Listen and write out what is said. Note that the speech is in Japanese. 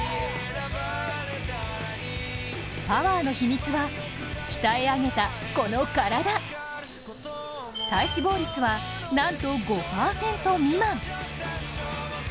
パワーの秘密は鍛え上げたこの体体脂肪率は、なんと５％未満。